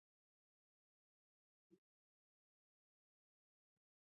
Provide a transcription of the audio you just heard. همدا مو وس وو